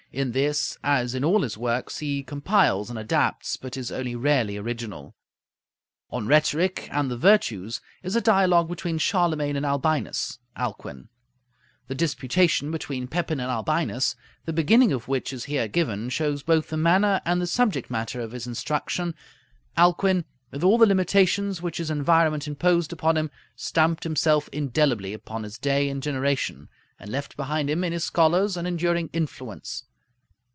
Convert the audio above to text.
In this, as in all his works, he compiles and adapts, but is only rarely original. 'On Rhetoric and the Virtues' is a dialogue between Charlemagne and Albinus (Alcuin). The 'Disputation between Pepin and Albinus,' the beginning of which is here given, shows both the manner and the subject matter of his instruction. Alcuin, with all the limitations which his environment imposed upon him, stamped himself indelibly upon his day and generation, and left behind him, in his scholars, an enduring influence.